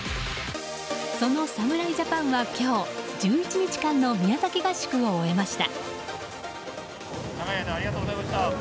その侍ジャパンは今日１１日間の宮崎合宿を終えました。